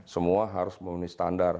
semua harus memenuhi standar